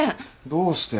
どうして？